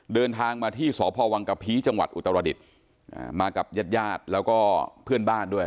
เดินทางมาที่สพวังกะพีจังหวัดอุตรดิษฐ์มากับญาติญาติแล้วก็เพื่อนบ้านด้วย